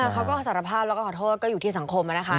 เขาก็สารภาพแล้วก็ขอโทษก็อยู่ที่สังคมนะคะ